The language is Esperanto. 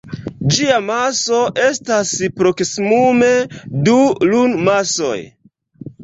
Ĝia maso estas proksimume du Lun-masoj.